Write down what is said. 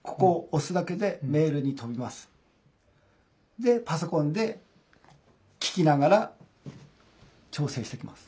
でパソコンで聴きながら調整していきます。